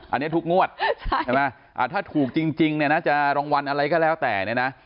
อันนี้ถูกงวดใช่ไหมถ้าถูกจริงจะรางวัลอะไรก็แล้วแต่